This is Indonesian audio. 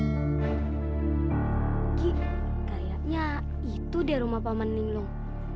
kayaknya itu deh rumah paman linglong